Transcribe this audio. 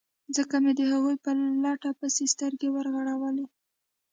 ځکه مې د هغوی په لټه پسې سترګې ور وغړولې.